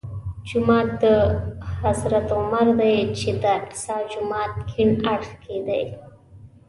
جومات د حضرت عمر دی چې د اقصی جومات کیڼ اړخ کې دی.